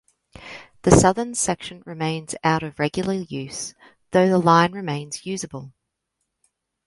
The southern section remains out of regular use, though the line remains usable.